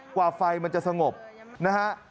กว่าไฟมันจะสงบนะฮะ